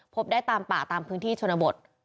พบได้ตามป่าตามพื้นที่ชนบท